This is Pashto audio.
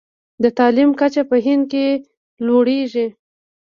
د تعلیم کچه په هند کې لوړیږي.